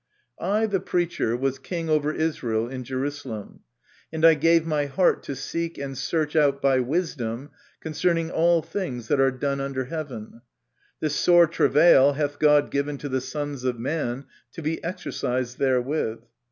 " I, the Preacher, was king over Israel in Jerusalem. And I gave my heart to seek and search out by wisdom concerning all things that are done under heaven : this sore travail hath God given to the sons of man to be exercised therewith.